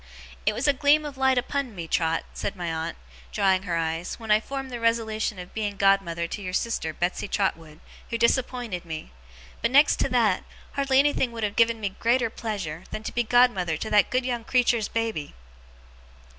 'It was a gleam of light upon me, Trot,' said my aunt, drying her eyes, 'when I formed the resolution of being godmother to your sister Betsey Trotwood, who disappointed me; but, next to that, hardly anything would have given me greater pleasure, than to be godmother to that good young creature's baby!